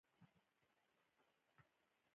که یو محصول مطلوب وي، نو قیمت یې لوړېږي.